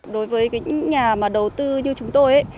đối với những nhà mà đầu tư như chúng tôi